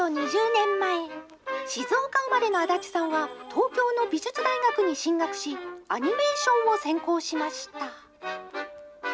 ２０年前、静岡生まれの安達さんは東京の美術大学に進学し、アニメーションを専攻しました。